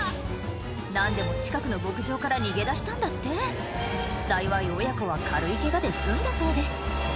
何でも近くの牧場から逃げ出したんだって幸い親子は軽いケガで済んだそうです